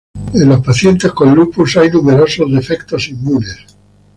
En los pacientes con lupus hay numerosos defectos inmunes.